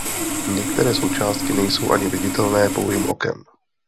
Některé součástky nejsou ani viditelné pouhým okem.